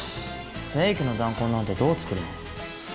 フェイクの弾痕なんてどう作るの？